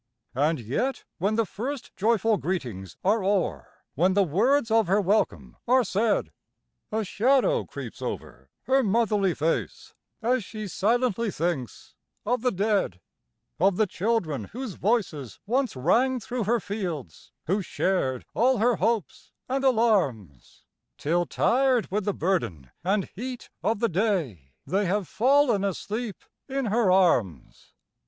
And yet, when the first joyful greetings are o'er, When the words of her welcome are said: A shadow creeps over her motherly face, As she silently thinks of the dead, Of the children whose voices once rang through her fields, Who shared all her hopes and alarms, Till, tired with the burden and heat of the day, They have fallen asleep in her arms.